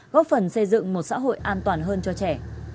góp phần xây dựng một xã hội an toàn hơn cho trẻ